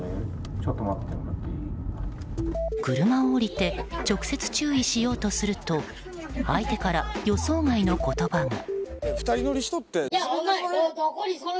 車を降りて直接注意しようとすると相手から予想外の言葉が。